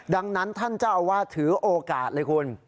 ดังนั้นท่านเจ้าอาวาสถือโอกาสเลยคุณ